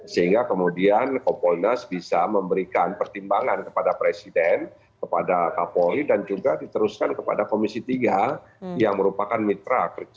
sehingga kemudian kompolnas bisa memberikan pertimbangan kepada presiden kepada kapolri dan juga diteruskan kepada komisi tiga yang merupakan mitra kerja